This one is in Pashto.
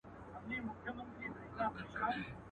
چېرته به د سوي میني زور وینو.